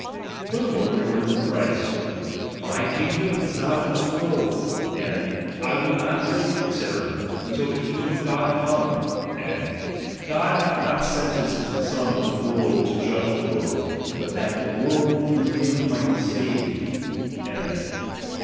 Further more, the words of Christ, My kingdom is not of this world : aud, / will not drink, &c. till the kingdom of God come : and, God hath not sent his Son into the world, to judge the world, but RELIGION that the world through him might he sated: and, cHAr.